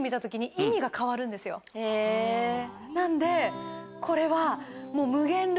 なんでこれは。